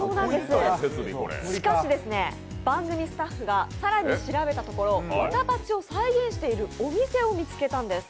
しかしですね、番組スタッフが更に調べたところわたパチを再現しているお店を見つけたんです。